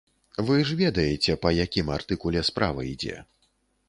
Вы ж ведаеце, па якім артыкуле справа ідзе.